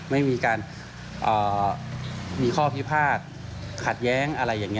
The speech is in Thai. ไม่มีการมีข้อพิพาทขัดแย้งอะไรอย่างนี้